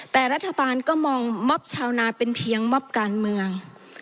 แต่รัฐบาลก็มองม็อบชาวนาเป็นเพียงมอบการเมือง